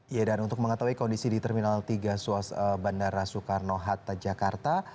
ya dan untuk mengetahui kondisi di terminal tiga suas bandara soekarno hatta jakarta